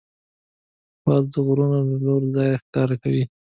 باز د غرونو له لوړ ځایه ښکار کوي